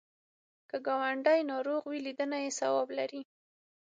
که ګاونډی ناروغ وي، لیدنه یې ثواب لري